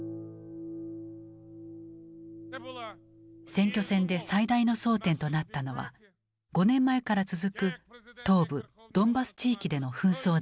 選挙戦で最大の争点となったのは５年前から続く東部ドンバス地域での紛争だった。